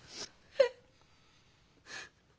えっ？